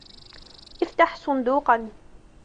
أفتح صندوقاً.